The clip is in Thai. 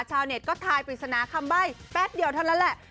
ชาวเน็ตก็ทายปริศนาคำใบ้แป๊บเดียวเท่านั้นแหละ